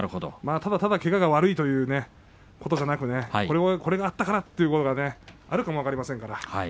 ただただ、けがが悪いということじゃなくこれがあったからということもあるかもしれません。